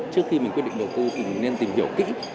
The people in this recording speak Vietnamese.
trước khi mình quyết định đầu tư thì mình nên tìm hiểu kỹ